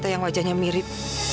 tante yang wajahnya mirip